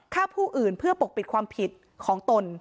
ฆ่าผู้อื่นเพื่อปกปิดความผิดของตน